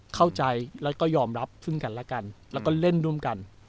เข้าใจแล้วก็ยอมรับซึ่งกันและกันแล้วก็เล่นร่วมกัน